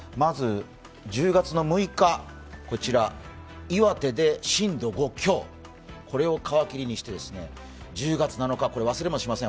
１０月６日岩手で震度５強、これを皮切りにして１０月７日、忘れもしません